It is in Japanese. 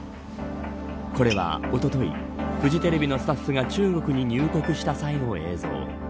これは、おとといフジテレビのスタッフが中国に入国した際の映像。